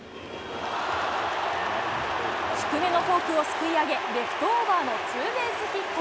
低めのフォークをすくい上げ、レフトオーバーのツーベースヒット。